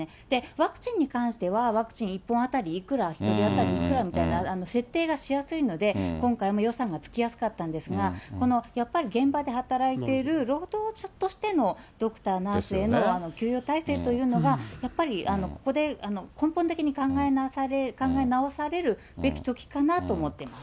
ワクチンに関しては、ワクチン１本当たりいくら、１人当たりいくらみたいな設定がしやすいので、今回も予算がつきやすかったんですが、このやっぱり現場で働いている労働者としてのドクター、ナースへの給与体制というのが、やっぱりここで根本的に考え直されるべき時かなと思っています。